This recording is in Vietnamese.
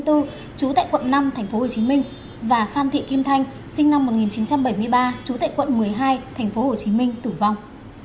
trú tại quận năm tp hcm và phan thị kim thanh sinh năm một nghìn chín trăm bảy mươi ba trú tại quận một mươi hai tp hcm tử vong